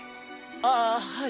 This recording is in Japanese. ああはい。